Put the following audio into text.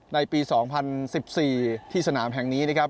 ในปี๒๐๑๔ที่สนามแห่งนี้นะครับ